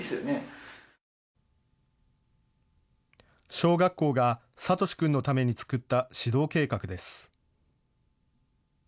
小学校がサトシ君のために作った指導計画です。